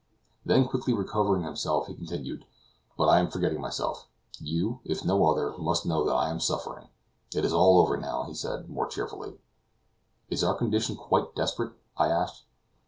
Then quickly recovering himself, he continued: "But I am forgetting myself; you, if no other, must know what I am suffering. It is all over now," he said more cheerfully. "Is our condition quite desperate?" I asked.